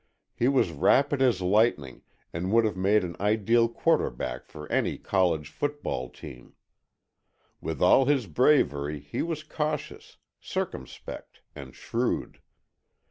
He was rapid as lightning, and would have made an ideal quarterback for any college football team. With all his bravery he was cautious, circumspect and shrewd.